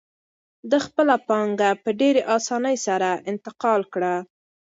ده خپله پانګه په ډېرې اسانۍ سره انتقال کړه.